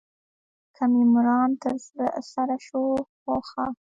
که مې مرام تر سره شو خو ښه.